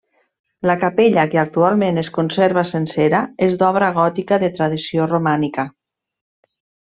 La capella que actualment es conserva sencera és d'obra gòtica de tradició romànica.